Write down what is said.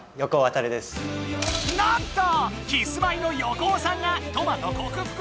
なんと！